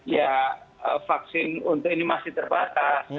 ya vaksin untuk ini masih terbatas